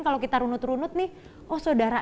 kalau kita runut runut nih oh saudara